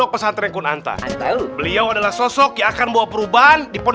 gagal dah penyamaran